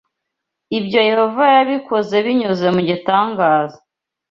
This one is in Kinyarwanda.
Ibyo Yehova yabikoze binyuze mu gitangaza